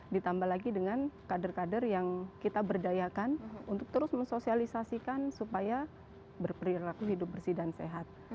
ditambah lagi dengan kader kader yang kita berdayakan untuk terus mensosialisasikan supaya berperilaku hidup bersih dan sehat